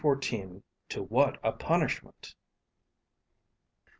TO WHAT A PUNISHMENT!